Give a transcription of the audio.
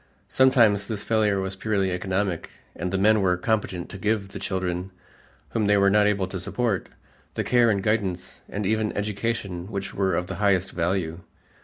Sometimes this failure was purely economic and the men were competent to give the children, whom they were not able to support, the care and guidance and even education which were of the highest value.